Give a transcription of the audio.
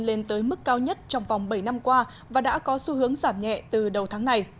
lên tới mức cao nhất trong vòng bảy năm qua và đã có xu hướng giảm nhẹ từ đầu tháng này